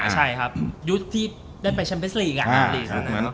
ใช่ครับยุคที่ได้ไปชมเบสลีกไง